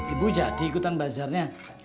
ibu jadi ikutan bazarnya